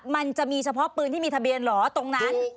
มันจะมีเฉพาะปืนที่มีทะเบียนเหรอตรงนั้น